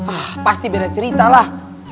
ah pasti beda cerita lah